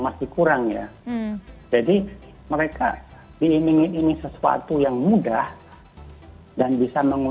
masih kurang ya jadi mereka diiming imingi sesuatu yang mudah dan bisa mengembangkan